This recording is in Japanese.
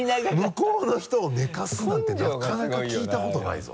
向こうの人を寝かすなんてなかなか聞いたことないぞ。